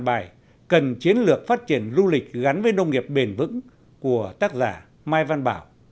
bài cần chiến lược phát triển du lịch gắn với nông nghiệp bền vững của tác giả mai văn bảo